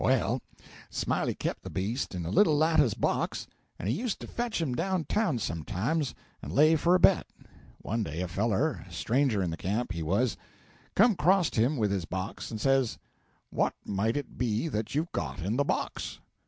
Well, Smiley kep' the beast in a little lattice box, and he used to fetch him down town sometimes and lay for a bet. One day a feller a stranger in the camp, he was come acrost him with his box, and says: 'What might it be that you've got in the box?'